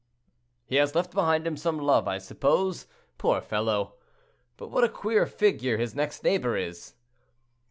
"He has left behind him some love, I suppose, poor fellow. But what a queer figure his next neighbor is."